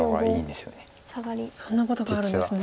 そんなことがあるんですね。